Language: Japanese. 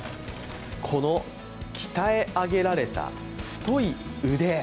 この鍛え上げられた太い腕。